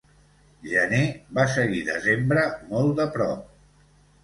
Gener va seguir desembre molt de prop.